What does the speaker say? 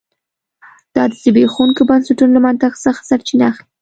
دا د زبېښونکو بنسټونو له منطق څخه سرچینه اخلي